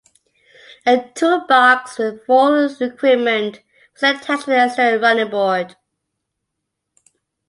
A toolbox with full equipment was attached to the exterior running board.